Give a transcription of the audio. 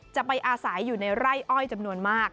จะไปอาศัยอยู่ในไร่อ้อยจำนวนมาก